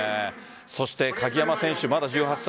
そして鍵山選手まだ１８歳。